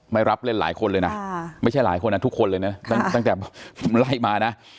ไม่รับเล่นหลายคนเลยนะไม่ใช่หลายคนนะทุกคนเลยนะตั้งแต่ไล่มานะ